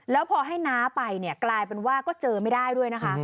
แล้วพอให้น้าไปเนี่ยกลายเป็นว่าก็เจอไม่ได้ด้วยนะคะ